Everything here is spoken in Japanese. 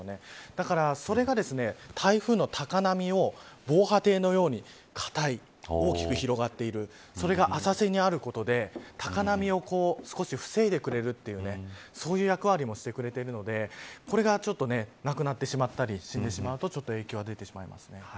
だからそれが、台風の高波を防波堤のように大きく広がっているそれが浅瀬にあることで高波を少し防いでくれるというそういう役割もしてくれているのでこれがなくなってしまったりするとちょっと影響は出てしまいますね。